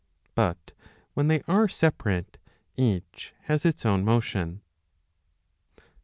But when they are separate each has its own motion.